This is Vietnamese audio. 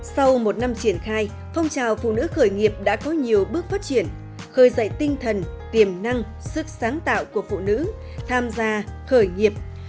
sau một năm triển khai phong trào phụ nữ khởi nghiệp đã có nhiều bước phát triển khơi dậy tinh thần tiềm năng sức sáng tạo của phụ nữ tham gia khởi nghiệp